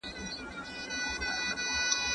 ولسي جرګه به د امنيتي وضعيت په اړه بحث وکړي.